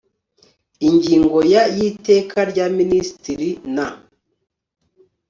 ingingo ya y iteka rya minisitiri n